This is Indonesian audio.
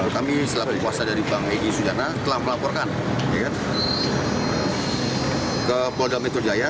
kami selaku kuasa dari bang egy sujana telah melaporkan ke polda metro jaya